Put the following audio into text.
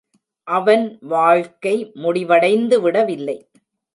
அவன் வாழ்க்கை முடிவடைந்து விடவில்லை.